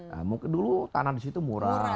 nah mungkin dulu tanah di situ murah